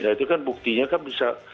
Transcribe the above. nah itu kan buktinya kan bisa